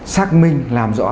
xác minh làm rõ